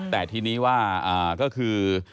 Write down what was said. แต่ทีนี้ว่าก็คือ